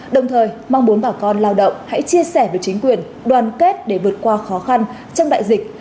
đồng thời mong muốn bà con lao động hãy chia sẻ với chính quyền đoàn kết để vượt qua khó khăn trong đại dịch